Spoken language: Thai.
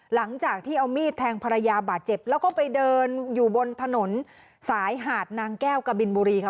หลังจากที่เอามีดแทงภรรยาบาดเจ็บแล้วก็ไปเดินอยู่บนถนนสายหาดนางแก้วกะบินบุรีค่ะ